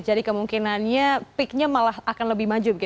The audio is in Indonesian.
jadi kemungkinannya piknya malah akan lebih maju